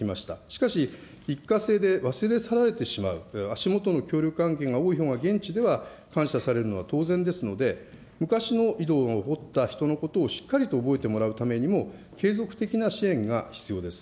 しかし、一過性で、忘れ去られてしまう、足下の協力関係が多いほうが現地では感謝されるのは当然ですので、昔の井戸を掘った人のことをしっかりと覚えてもらうためにも、継続的な支援が必要です。